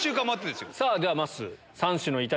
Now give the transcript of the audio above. ではまっすー。